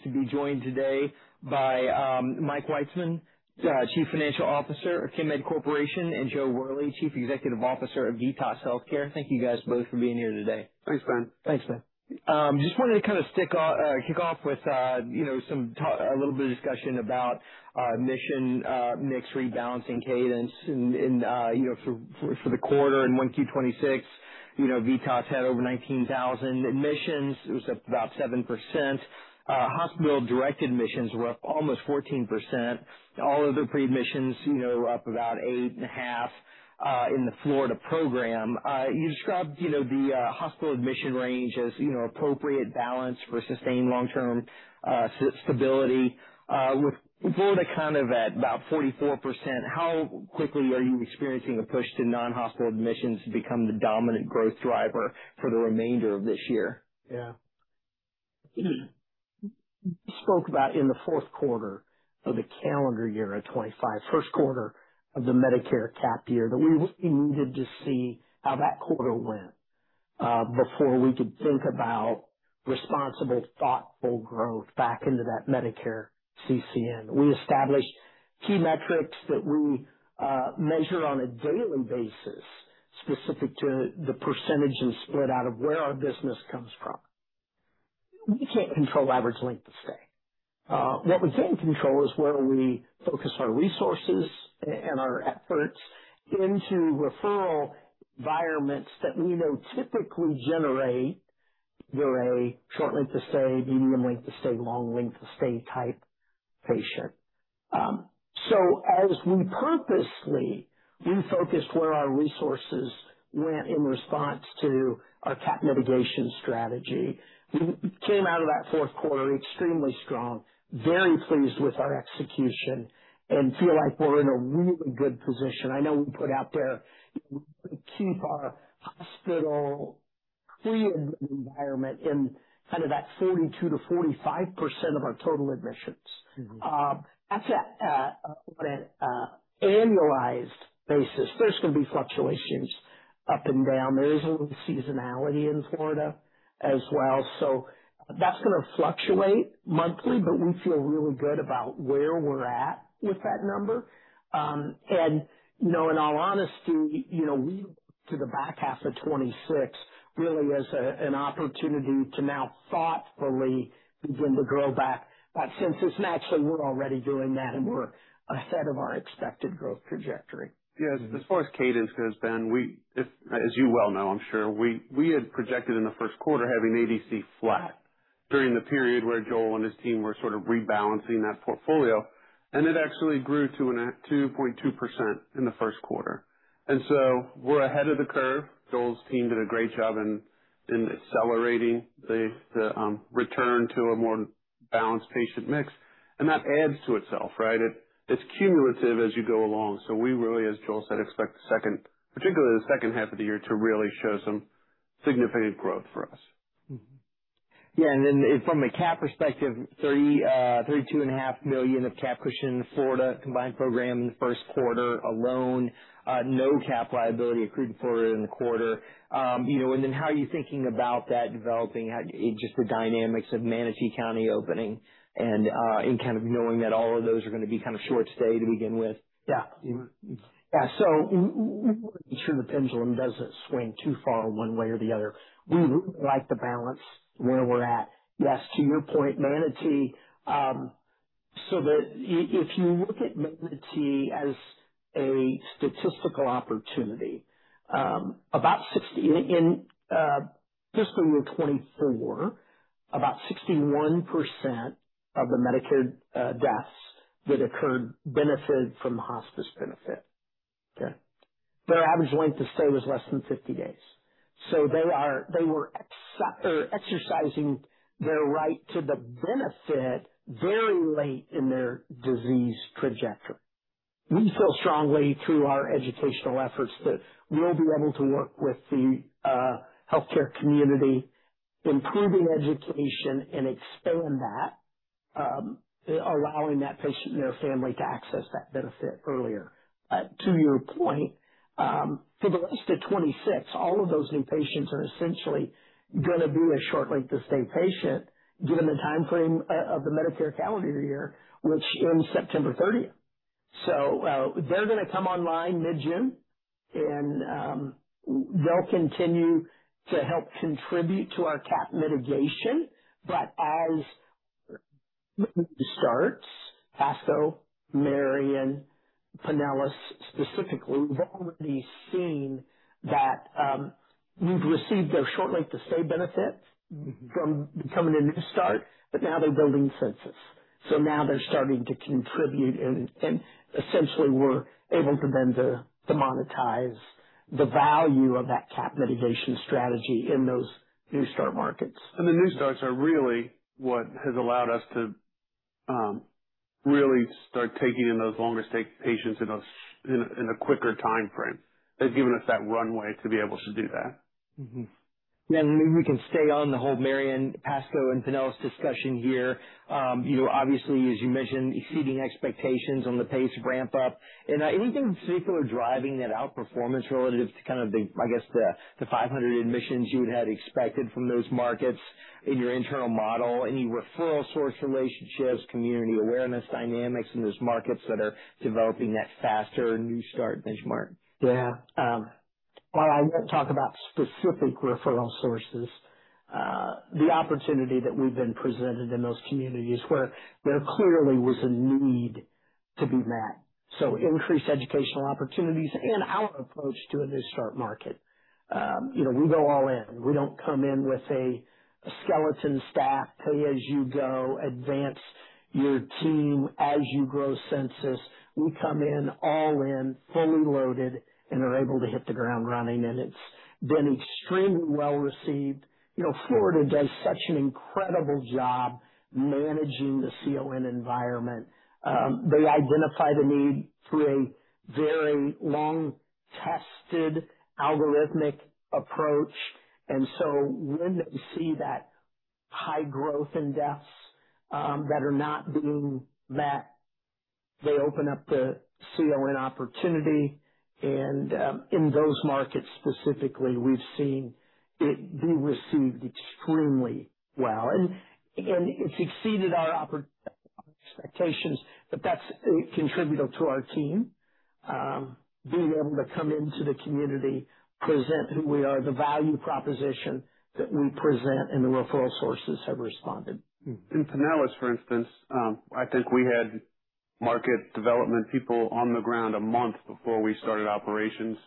Pleased to be joined today by Mike Witzeman, Chief Financial Officer of Chemed Corporation, and Joel Wherley, Chief Executive Officer of VITAS Healthcare. Thank you guys both for being here today. Thanks, Ben. Thanks, Ben. Just wanted to kick off with a little bit of discussion about admission mix rebalancing cadence and for the quarter in 1Q 2026, VITAS had over 19,000 admissions. It was up about 7%. Hospital-directed admissions were up almost 14%. All other pre-admissions, up about 8.5% in the Florida program. You described the hospital admission range as appropriate balance for sustained long-term stability. With Florida at about 44%, how quickly are you experiencing a push to non-hospital admissions to become the dominant growth driver for the remainder of this year? Yeah. Spoke about in the fourth quarter of the calendar year of 2025, first quarter of the Medicare CAP year, that we needed to see how that quarter went before we could think about responsible, thoughtful growth back into that Medicare CCN. We established key metrics that we measure on a daily basis, specific to the percentage and split out of where our business comes from. We can't control average length of stay. What we can control is where we focus our resources and our efforts into referral environments that we know typically generate a short length of stay, medium length of stay, long length of stay type patient. As we purposely refocused where our resources went in response to our CAP mitigation strategy, we came out of that fourth quarter extremely strong, very pleased with our execution, and feel like we're in a really good position. I know we put out there, we want to keep our hospital free environment in that 42%-45% of our total admissions. That's on an annualized basis. There's going to be fluctuations up and down. There is a little seasonality in Florida as well. That's going to fluctuate monthly. We feel really good about where we're at with that number. In all honesty, we look to the back half of 2026 really as an opportunity to now thoughtfully begin to grow back that census. Actually, we're already doing that, and we're ahead of our expected growth trajectory. Yes. As far as cadence goes, Ben, as you well know, I'm sure, we had projected in the first quarter having ADC flat during the period where Joel and his team were sort of rebalancing that portfolio, and it actually grew to a 2.2% in the first quarter. We're ahead of the curve. Joel's team did a great job in accelerating the return to a more balanced patient mix, and that adds to itself, right? It's cumulative as you go along. We really, as Joel said, expect the second, particularly the second half of the year, to really show some significant growth for us. Yeah. From a CAP perspective, $32.5 million of CAP cushion Florida combined program in the 1st quarter alone. No CAP liability accrued for in the quarter. How are you thinking about that developing, just the dynamics of Manatee County opening and knowing that all of those are going to be short stay to begin with? Yeah. We want to ensure the pendulum doesn't swing too far one way or the other. We really like the balance where we're at. Yes, to your point, Manatee, if you look at Manatee as a statistical opportunity, in fiscal year 2024, about 61% of the Medicare deaths that occurred benefit from hospice benefit. Okay. They were exercising their right to the benefit very late in their disease trajectory. We feel strongly through our educational efforts that we'll be able to work with the healthcare community, improving education and expand that, allowing that patient and their family to access that benefit earlier. To your point, for the rest of 2026, all of those new patients are essentially going to be a short length of stay patient, given the timeframe of the Medicare calendar year, which ends September thirtieth. They're going to come online mid-June, and they'll continue to help contribute to our CAP mitigation. As starts, Pasco, Marion, Pinellas specifically, we've already seen that we've received their short length of stay benefits from becoming a new start, but now they're building census. Now they're starting to contribute and essentially we're able to then to monetize the value of that CAP mitigation strategy in those new start markets. The new starts are really what has allowed us to really start taking in those longer stay patients in a quicker timeframe. They've given us that runway to be able to do that. Maybe we can stay on the whole Marion, Pasco, and Pinellas discussion here. Obviously, as you mentioned, exceeding expectations on the pace ramp-up. Anything in particular driving that outperformance relative to the 500 admissions you had expected from those markets? In your internal model, any referral source relationships, community awareness dynamics in those markets that are developing that faster new start benchmark? While I won't talk about specific referral sources, the opportunity that we've been presented in those communities where there clearly was a need to be met. Increased educational opportunities and our approach to a new start market. We go all in. We don't come in with a skeleton staff, pay as you go, advance your team as you grow census. We come in, all in, fully loaded and are able to hit the ground running, and it's been extremely well-received. Florida does such an incredible job managing the CON environment. They identify the need through a very long-tested algorithmic approach, and so when they see that high growth in deaths that are not being met, they open up the CON opportunity. In those markets specifically, we've seen it be received extremely well. It's exceeded our expectations, but that's contributable to our team, being able to come into the community, present who we are, the value proposition that we present, and the referral sources have responded. In Pinellas, for instance, I think we had market development people on the ground a month before we started operations.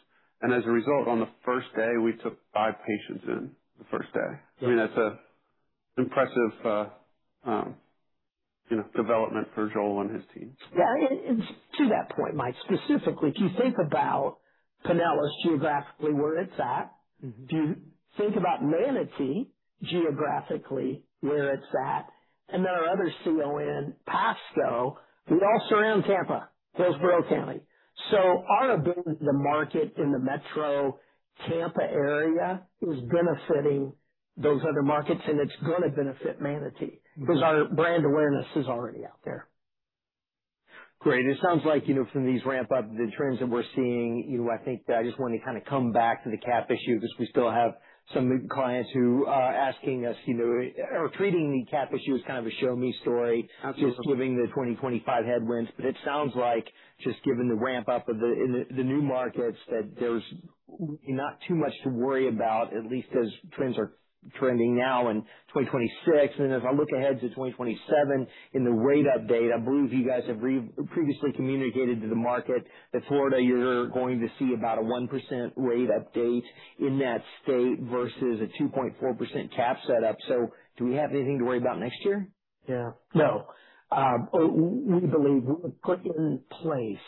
As a result, on the first day, we took five patients in, the first day. That's an impressive development for Joel and his team. Yeah. To that point, Mike, specifically, if you think about Pinellas, geographically, where it's at, if you think about Manatee, geographically, where it's at, and there are other CON, Pasco. We all surround Tampa, Hillsborough County. Our ability to market in the metro Tampa area is benefiting those other markets, and it's going to benefit Manatee because our brand awareness is already out there. Great. It sounds like from these ramp up, the trends that we're seeing, I think that I just wanted to come back to the CAP issue because we still have some clients who are asking us or treating the CAP issue as kind of a show-me story. Absolutely. Just giving the 2025 headwinds. It sounds like just given the ramp up of the new markets, that there's not too much to worry about, at least as trends are trending now in 2026. As I look ahead to 2027 in the rate update, I believe you guys have previously communicated to the market that Florida, you're going to see about a 1% rate update in that state versus a 2.4% CAP set up. Do we have anything to worry about next year? No. We believe we have put in place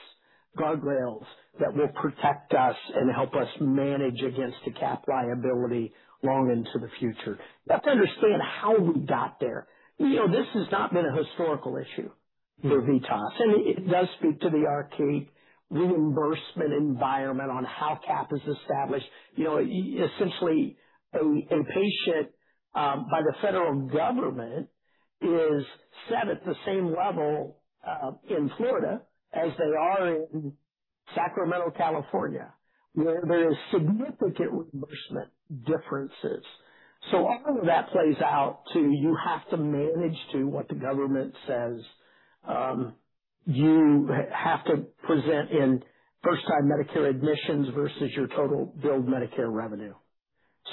guardrails that will protect us and help us manage against a CAP liability long into the future. You have to understand how we got there. This has not been a historical issue for VITAS, and it does speak to the archaic reimbursement environment on how CAP is established. Essentially, an inpatient, by the federal government, is set at the same level in Florida as they are in Sacramento, California, where there is significant reimbursement differences. All of that plays out to you have to manage to what the government says. You have to present in first-time Medicare admissions versus your total billed Medicare revenue.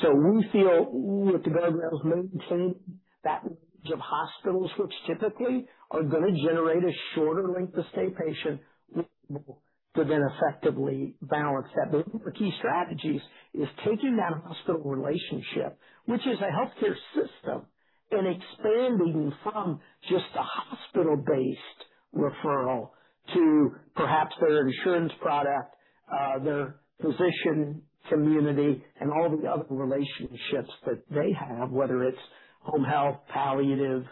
We feel with the guardrails maintained, that range of hospitals which typically are going to generate a shorter length of stay patient will be able to then effectively balance that. I think the key strategies is taking that hospital relationship, which is a healthcare system, and expanding from just a hospital-based referral to perhaps their insurance product, their physician community, and all the other relationships that they have, whether it's home health, palliative,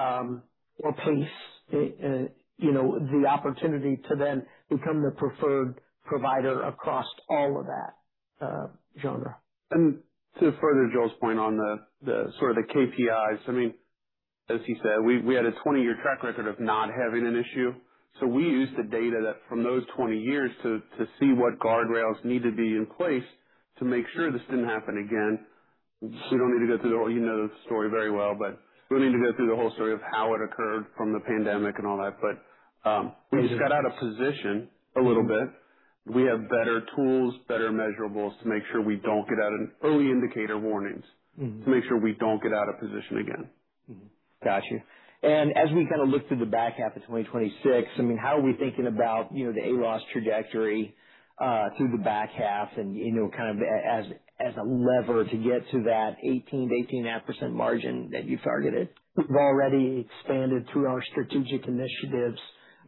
or pace. The opportunity to then become the preferred provider across all of that genre. To further Joel's point on the sort of the KPIs, as he said, we had a 20-year track record of not having an issue. We used the data from those 20 years to see what guardrails need to be in place to make sure this didn't happen again. We don't need to go through the whole, you know the story very well, we don't need to go through the whole story of how it occurred from the pandemic and all that. We just got out of position a little bit. We have better tools, better measurables to make sure we don't early indicator warnings to make sure we don't get out of position again. Got you. As we kind of look to the back half of 2026, how are we thinking about the ALOS trajectory through the back half and kind of as a lever to get to that 18%-18.5% margin that you targeted? We've already expanded through our strategic initiatives,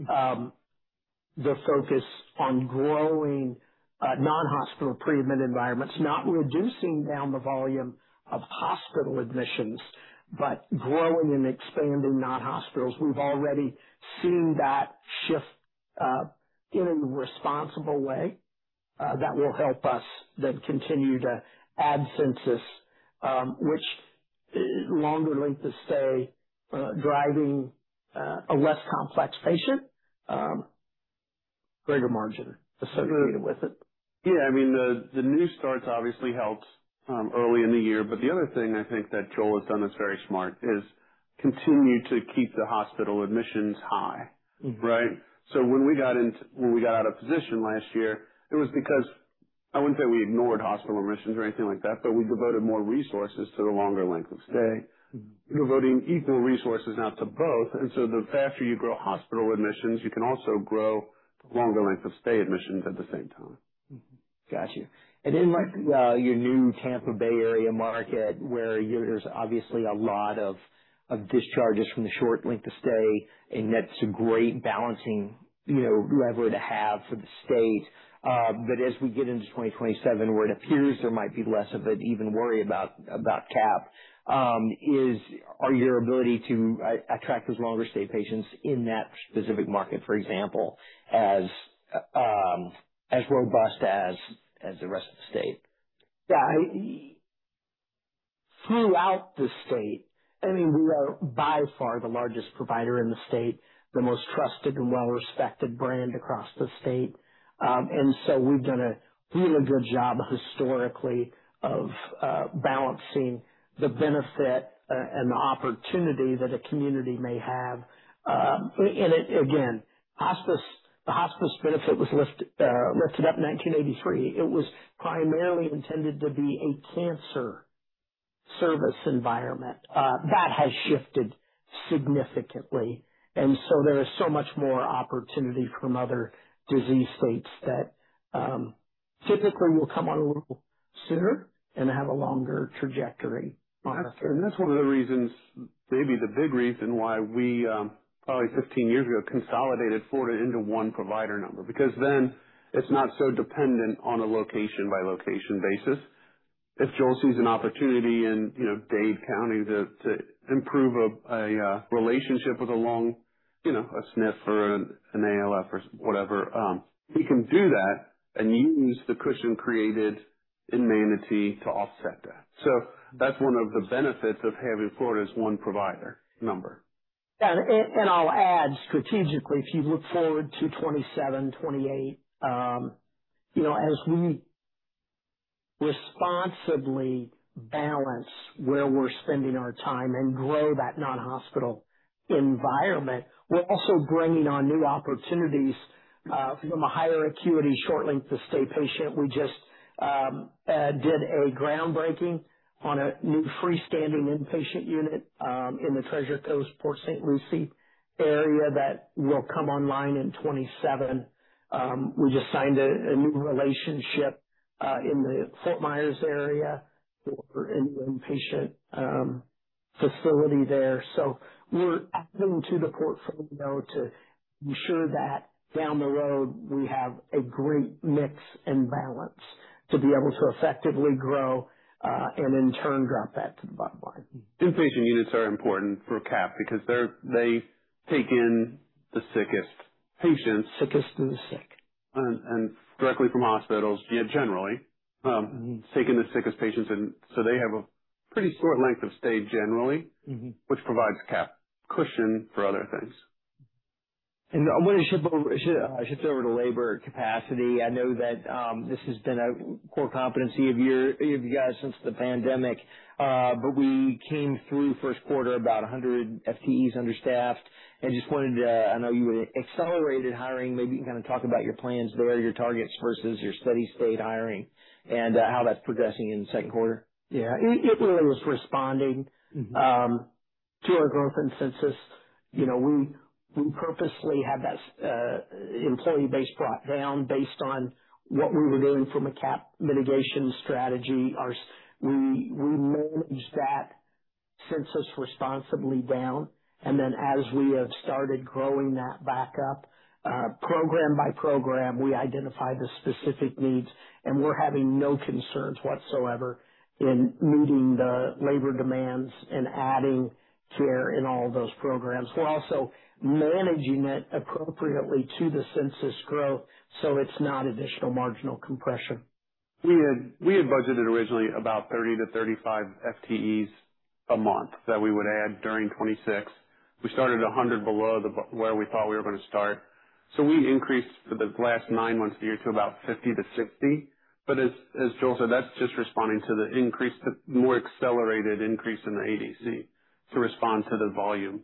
the focus on growing non-hospital pre-admit environments, not reducing down the volume of hospital admissions, but growing and expanding non-hospitals. We've already seen that shift in a responsible way that will help us then continue to add census, which longer length of stay, driving a less complex patient. Greater margin associated with it. Yeah, the new starts obviously helped early in the year, but the other thing I think that Joel has done that's very smart is continue to keep the hospital admissions high. Right? When we got out of position last year, it was because, I wouldn't say we ignored hospital admissions or anything like that, but we devoted more resources to the longer length of stay. Devoting equal resources now to both, and so the faster you grow hospital admissions, you can also grow longer length of stay admissions at the same time. Got you. In your new Tampa Bay area market, where there's obviously a lot of discharges from the short length of stay, and that's a great balancing lever to have for the state, but as we get into 2027, where it appears there might be less of an even worry about CAP, are your ability to attract those longer-stay patients in that specific market, for example, as robust as the rest of the state? Yeah. Throughout the state, we are by far the largest provider in the state, the most trusted and well-respected brand across the state. We've done a really good job historically of balancing the benefit and the opportunity that a community may have. Again, the hospice benefit was lifted up in 1983. It was primarily intended to be a cancer service environment. That has shifted significantly. So there is so much more opportunity from other disease states that typically will come on a little sooner and have a longer trajectory. That's one of the reasons, maybe the big reason why we, probably 15 years ago, consolidated Florida into one provider number, because then it's not so dependent on a location-by-location basis. If Joel sees an opportunity in Dade County to improve a relationship with a SNF or an ALF or whatever, he can do that and use the cushion created in Manatee to offset that. That's one of the benefits of having Florida as one provider number. I'll add strategically, if you look forward to 2027, 2028, as we responsibly balance where we're spending our time and grow that non-hospital environment, we're also bringing on new opportunities from a higher acuity, short length of stay patient. We just did a groundbreaking on a new freestanding inpatient unit, in the Treasure Coast, Port St. Lucie area that will come online in 2027. We just signed a new relationship in the Fort Myers area for a new inpatient facility there. We're adding to the portfolio to ensure that down the road, we have a great mix and balance to be able to effectively grow, and in turn, drop that to the bottom line. Inpatient units are important for CAP because they take in the sickest patients. Sickest of the sick. Directly from hospitals, generally, taking the sickest patients in. They have a pretty short length of stay generally, which provides CAP cushion for other things. I want to shift over to labor capacity. I know that this has been a core competency of you guys since the pandemic. We came through first quarter about 100 FTEs understaffed. I know you accelerated hiring. Maybe you can kind of talk about your plans. Where are your targets versus your steady state hiring and how that's progressing in the second quarter? Yeah. It really was responding to our growth in census. We purposely had that employee base brought down based on what we were doing from a CAP mitigation strategy. We managed that census responsibly down, and then as we have started growing that back up, program by program, we identified the specific needs, and we're having no concerns whatsoever in meeting the labor demands and adding care in all those programs. We're also managing it appropriately to the census growth, so it's not additional marginal compression. We had budgeted originally about 30-35 FTEs a month that we would add during 2026. We started 100 below where we thought we were going to start. We increased for the last nine months of the year to about 50-60 FTEs. As Joel said, that's just responding to the more accelerated increase in the ADC to respond to the volume.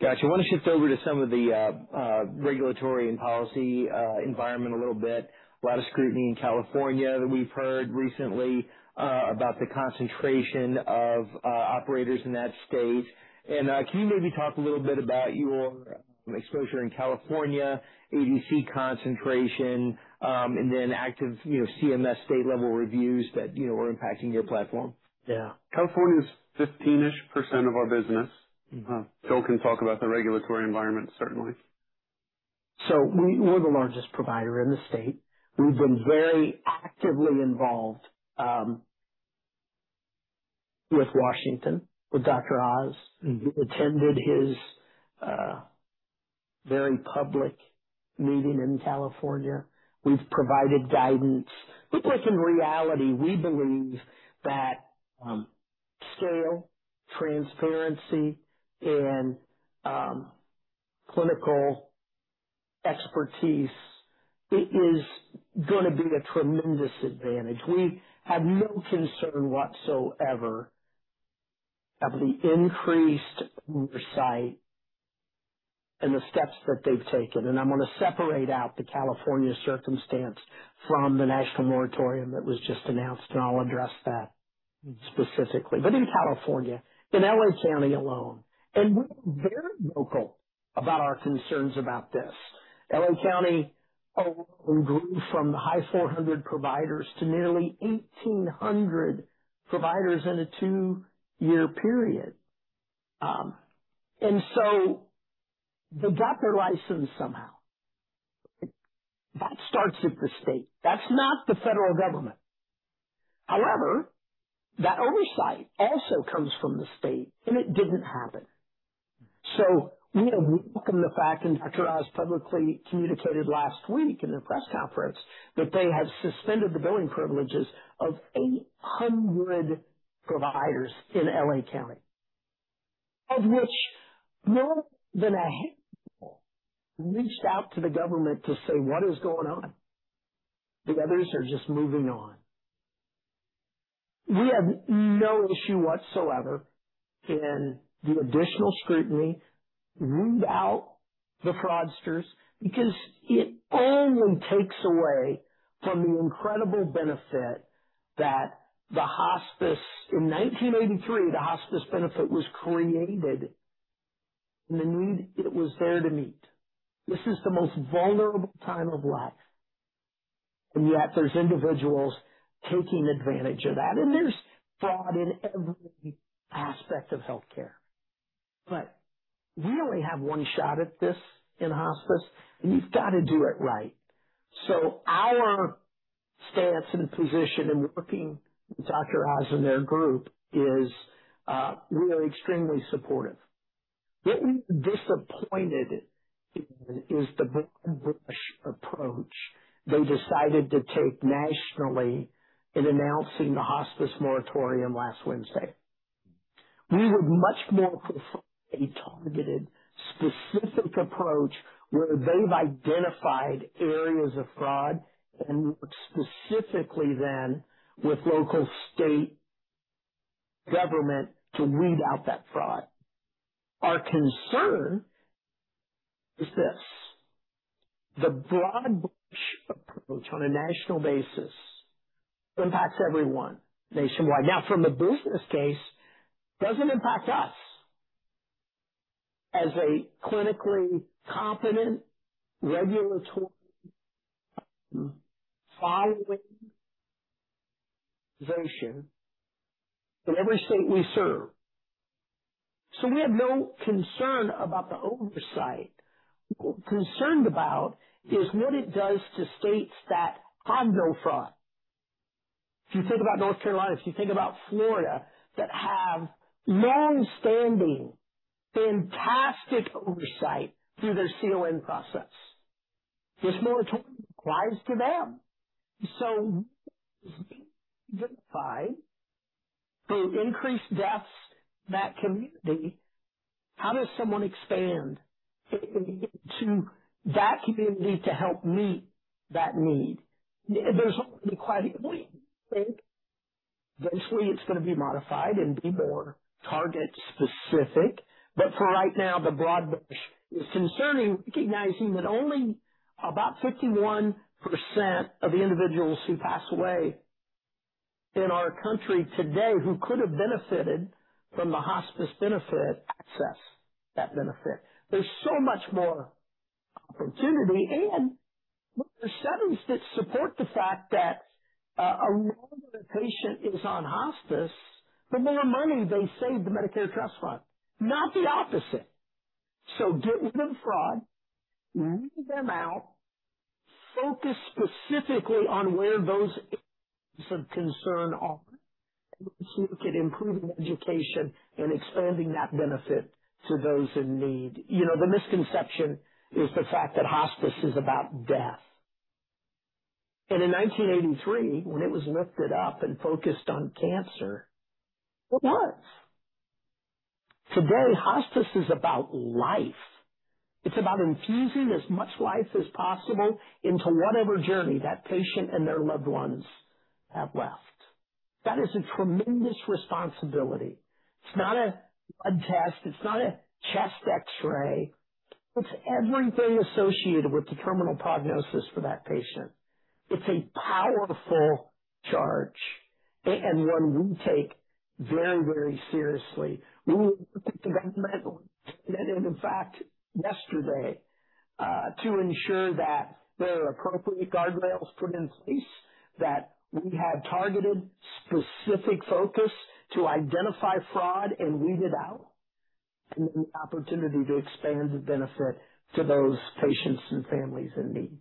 Got you. Want to shift over to some of the regulatory and policy environment a little bit. A lot of scrutiny in California that we've heard recently about the concentration of operators in that state. Can you maybe talk a little bit about your exposure in California, ADC concentration, and then active CMS state-level reviews that are impacting your platform? Yeah. California is 15%-ish of our business. Joel can talk about the regulatory environment, certainly. We're the largest provider in the state. We've been very actively involved with Washington, with Dr. Oz, who attended his very public meeting in California. We've provided guidance because in reality, we believe that scale, transparency, and clinical expertise is going to be a tremendous advantage. We have no concern whatsoever of the increased oversight and the steps that they've taken. I'm going to separate out the California circumstance from the national moratorium that was just announced, and I'll address that specifically. In California, in L.A. County alone, and we are very vocal about our concerns about this. L.A. County alone grew from the high 400 providers to nearly 1,800 providers in a two-year period. They got their license somehow. That starts at the state. That's not the federal government. However, that oversight also comes from the state, and it didn't happen. We welcome the fact, and Dr. Oz has publicly communicated last week in the press conference, that they have suspended the billing privileges of 800 providers in L.A. County, of which more than a handful reached out to the government to say, "What is going on?" The others are just moving on. We have no issue whatsoever in the additional scrutiny to weed out the fraudsters, because it only takes away from the incredible benefit that the hospice In 1983, the hospice benefit was created, and the need it was there to meet. This is the most vulnerable time of life, and yet there's individuals taking advantage of that. There's fraud in every aspect of healthcare. You only have one shot at this in hospice, and you've got to do it right. Our stance and position in working with Dr. Oz and their group is we are extremely supportive. What we were disappointed in is the broad brush approach they decided to take nationally in announcing the hospice moratorium last Wednesday. We would much more prefer a targeted, specific approach where they've identified areas of fraud and work specifically then with local state government to weed out that fraud. Our concern is this: the broad brush approach on a national basis impacts everyone nationwide. From the business case, doesn't impact us as a clinically competent regulatory, following, organization in every state we serve. We have no concern about the oversight. What we're concerned about is what it does to states that have no fraud. If you think about North Carolina, if you think about Florida, that have longstanding, fantastic oversight through their CON process. This moratorium applies to them. Through increased deaths in that community, how does someone expand into that community to help meet that need? There's think eventually it's going to be modified and be more target specific. For right now, the broad brush is concerning, recognizing that only about 51% of the individuals who pass away in our country today who could have benefited from the hospice benefit access that benefit. There's so much more opportunity and there are studies that support the fact that, the longer the patient is on hospice, the more money they save the Medicare trust fund, not the opposite. Get rid of fraud, weed them out, focus specifically on where those areas of concern are. Let's look at improving education and expanding that benefit to those in need. The misconception is the fact that hospice is about death. In 1983, when it was lifted up and focused on cancer, it was. Today, hospice is about life. It's about infusing as much life as possible into whatever journey that patient and their loved ones have left. That is a tremendous responsibility. It's not a blood test. It's not a chest X-ray. It's everything associated with the terminal prognosis for that patient. It's a powerful charge, and one we take very seriously. We work with the government, and in fact, yesterday, to ensure that there are appropriate guardrails put in place, that we have targeted specific focus to identify fraud and weed it out, and the opportunity to expand the benefit to those patients and families in need.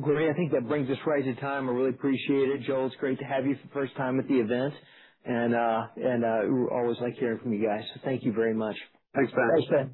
Great, I think that brings us right to time. I really appreciate it. Joel, it's great to have you for the first time at the event, and we always like hearing from you guys. Thank you very much. Thanks, Ben. Thanks, Ben